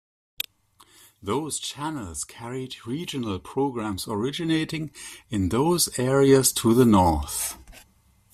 Those channels carried regional programs originating in those areas to the north.